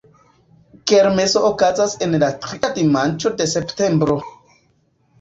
Kermeso okazas en la tria dimanĉo de septembro.